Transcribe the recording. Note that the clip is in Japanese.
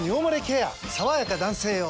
さわやか男性用」